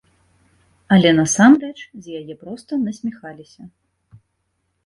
Але насамрэч з яе проста насміхаліся.